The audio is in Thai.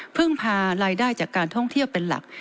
พึ่งพารายได้จากการท่องเที่ยวเป็นหลัก